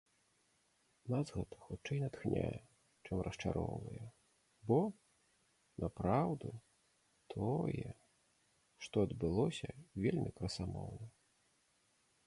Нас гэта хутчэй натхняе, чым расчароўвае, бо, напраўду, тое, што адбылося вельмі красамоўна.